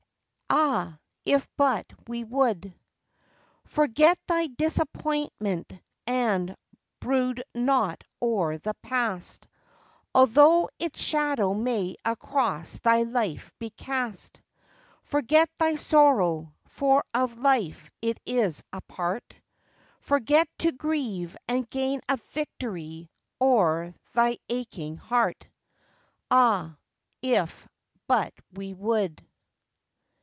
Ah, if but we would. Forget thy disappointment and brood not o'er the past, Although its shadow may across thy life be cast, Forget thy sorrow, for of life it is a part, LIFE WAVES 86 Forget to grieve and gain a victory o'er thy aching heart, Ah, if but we would.